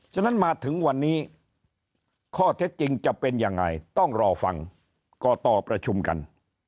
ฉะนั้นมาถึงวันนี้ข้อเท็จจริงจะเป็นยังไงต้องรอฟังกตประชุมกัน